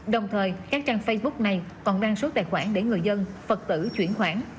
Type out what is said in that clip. đồng thời các trang facebook này còn đăng xuất tài khoản để người dân phật tử chuyển khoản